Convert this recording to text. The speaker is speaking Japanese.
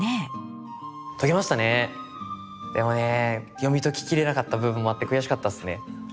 読み解ききれなかった部分もあって悔しかったっすね。